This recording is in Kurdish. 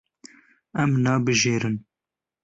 Em nabijêrin.